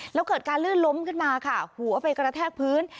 แล้วเกิดการลื่นล้มขึ้นมาค่ะหัวไปกระแทกพื้น